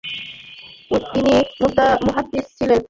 ইনি মুহাদ্দিস ছিলেন।